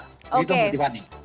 itu menurut tiffany